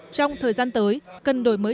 trong thời gian tới cần đổi mới